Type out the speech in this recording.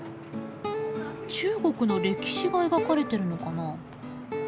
中国の歴史が描かれてるのかな？